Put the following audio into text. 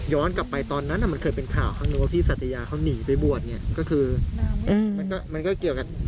ย้อนกลับไปตอนนั้นมันคือเป็นข่าวทั้งโนพี่สัตยาเขาหนีไปบวชมันก็เกี่ยวกับ